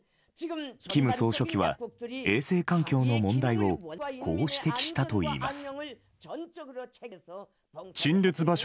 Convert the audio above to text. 金総書記は衛生環境の問題をこう指摘したといいます。